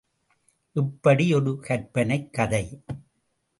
இப்படி ஒரு கற்பனைக் கதை.